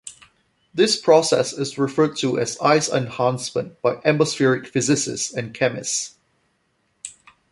This process is referred to as "Ice Enhancement" by Atmospheric Physicists and Chemists.